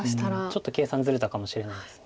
ちょっと計算ずれたかもしれないです。